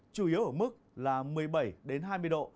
chủ yếu ở mức là một mươi bảy hai mươi độ